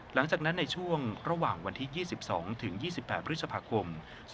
หลังจากนั้นในช่วงระหว่างวันที่๒๒ถึง๒๒๘พฤษภาคม๒๕๖